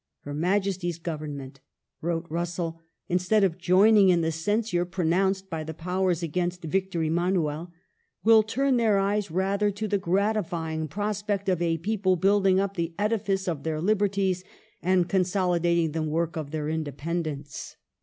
... Her Majesty's Government," wrote Russell, instead of joining in the censure pronounced by the Powers against Victor Emmanuel, " will turn their eyes rather to the gratifying] prospect of a people building up the edifice of their liberties, andj consolidating the work of their independence."